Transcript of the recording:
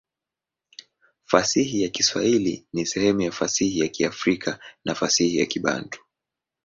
Fasihi ya Kiswahili ni sehemu ya fasihi ya Kiafrika na fasihi ya Kibantu.